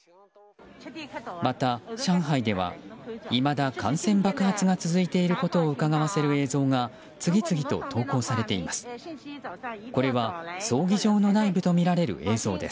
また、上海ではいまだ感染爆発が続いていることをうかがわせる映像が次々と投稿されています。